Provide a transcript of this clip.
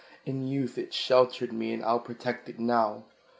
In youth it sheltered me, And I'll protect it now.